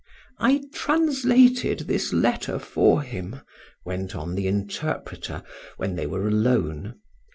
"I translated this letter for him," went on the interpreter, when they were alone.